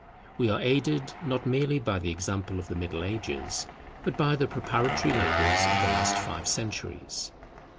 We are aided, not merely by the example of the Middle Ages, but by the preparatory labours of the last five centuries.